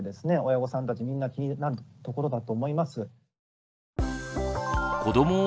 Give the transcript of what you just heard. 親御さんたちみんな気になるところだと思います。